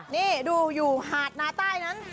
นี่ดูอยู่หาดนาใต้นั้น